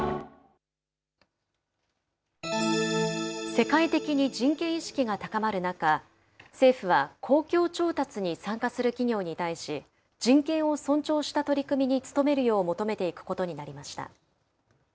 世界的に人権意識が高まる中、政府は公共調達に参加する企業に対し、人権を尊重した取り組みに努めるよう求めていくことになりました。